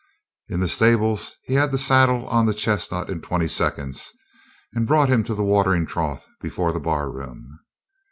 In the stables he had the saddle on the chestnut in twenty seconds, and brought him to the watering trough before the barroom.